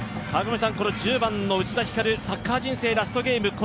この１０番の内田光サッカー人生ラストゲーム